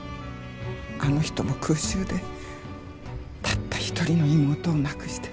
あの人も空襲でたった一人の妹を亡くして。